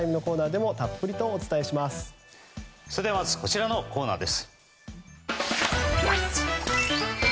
では、まずはこちらのコーナーです。